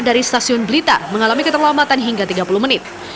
dari stasiun blitar mengalami keterlambatan hingga tiga puluh menit